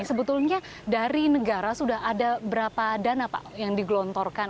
sebetulnya dari negara sudah ada berapa dana pak yang digelontorkan